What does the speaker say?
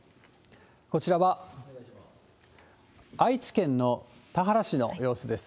こちらは、愛知県の田原市の様子です。